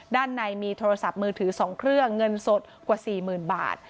ด้านในมีโทรศัพท์มือถือ๒เครื่องเงินสดกว่า๔๐๐๐บาท